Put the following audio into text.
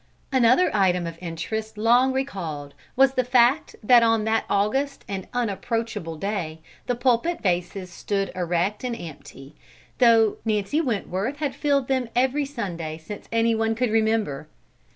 Another item of interest long recalled was the fact that on that august and unapproachable day the pulpit vases stood erect and empty, though Nancy Wentworth had filled them every Sunday since any one could remember.